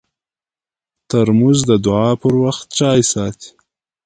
ترموز د دعا پر وخت چای ساتي.